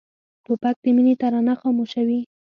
توپک د مینې ترانه خاموشوي.